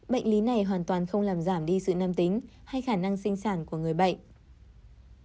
bệnh lý này hoàn toàn không làm giảm đi sự nam tính hay khả năng sinh sản của người bệnh